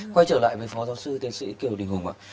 quay trở lại với phó giáo sư tiến sĩ kiều đình hùng ạ